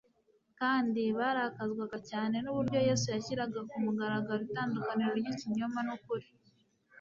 kandi barakazwaga cyane n'uburyo Yesu yashyiraga ku mugaragaro itandukaniro ry'ikinyoma n'ukuri